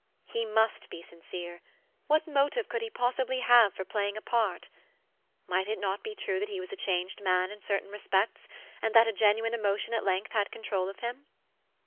He must be sincere. What motive could he possibly have for playing a part? Might it not be true that he was a changed man in certain respects, and that a genuine emotion at length had control of him?